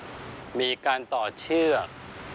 มีเงื่อนมีปมมีการต่อเชือก